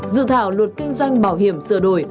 dự thảo luật kinh doanh bảo hiểm sửa đổi